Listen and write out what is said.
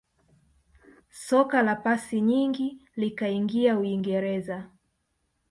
soka la pasi nyingi likaingia uingereza